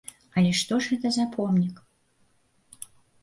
Але што ж гэта за помнік?